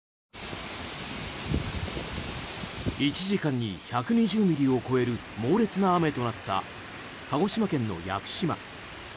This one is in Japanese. １時間に１２０ミリを超える猛烈な雨となった鹿児島県の屋久島。